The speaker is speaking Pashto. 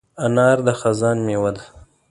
انار د خزان مېوه ده.